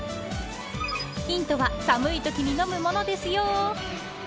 ヒントは寒いときに飲むものですよ。